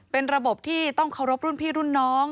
เป็นระบบที่ต้องเคารพรุ่นพี่รุ่นน้อง